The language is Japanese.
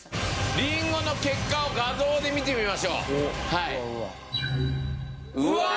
りんごの結果を画像で見てみましょううわあ